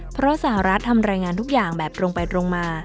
เพราะสหรัฐทำรายงานทุกอย่างแบบตรงไปตรงมา